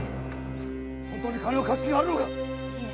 本当に金を貸す気があるのか⁉いえ